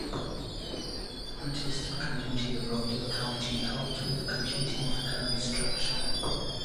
The Protestant community of Rockdale County helped with the completing of the current structure.